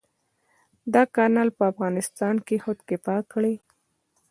دا کانال به افغانستان خودکفا کړي.